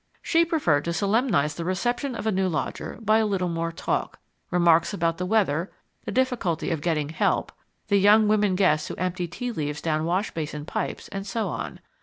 She preferred to solemnize the reception of a new lodger by a little more talk remarks about the weather, the difficulty of getting "help," the young women guests who empty tea leaves down wash basin pipes, and so on.